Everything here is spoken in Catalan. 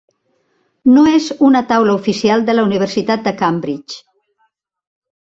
No és una taula oficial de la Universitat de Cambridge.